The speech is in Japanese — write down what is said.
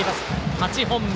８本目。